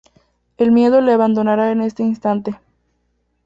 El miedo le abandonará en ese instante".